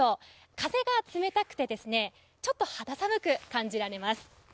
風が冷たくて、ちょっと肌寒く感じられます。